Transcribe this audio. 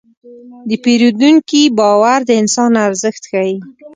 د پیرودونکي باور د انسان ارزښت ښيي.